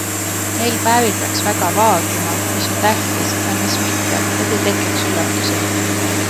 Neil päevil peaks väga vaagima, mis on tähtis ja mis mitte, et ei tekiks üllatusi.